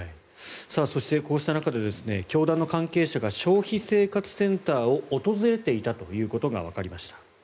そして、こうした中で教団の関係者が消費生活センターを訪れていたということがわかりました。